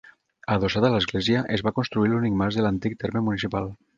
Adossat a l'església es va construir l'únic mas de l'antic terme municipal.